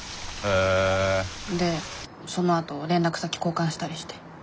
でそのあと連絡先交換したりして。